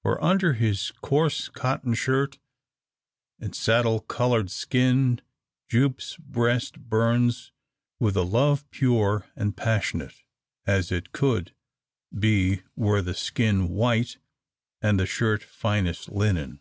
For under his coarse cotton shirt, and saddle coloured skin, Jupe's breast burns with a love pure and passionate, as it could, be were the skin white, and the shirt finest linen.